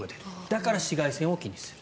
だから紫外線を気にする。